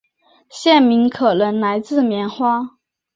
县名可能来自棉花。